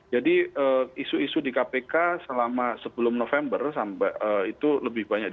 jadi isu isu di kpk sebelum november itu lebih banyak